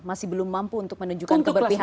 masih belum mampu untuk menunjukkan keberpihakan